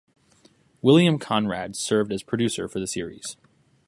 William Conrad served as producer for the series.